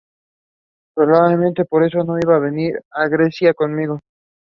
The rear wheels were braked mechanically.